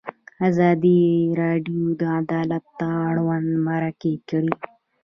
ازادي راډیو د عدالت اړوند مرکې کړي.